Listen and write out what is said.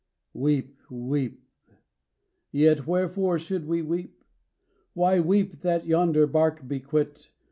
Weep, weep! yet wherefore should we weep? Why weep that yonder bark be quit?